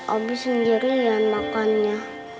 abi sendiri yang makannya